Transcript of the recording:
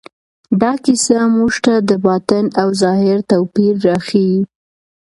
دا کیسه موږ ته د باطن او ظاهر توپیر راښيي.